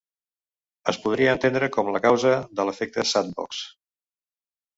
Es podria entendre com la causa de l'efecte Sandbox.